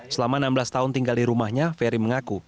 selama enam belas tahun tinggal di rumahnya ferry mengaku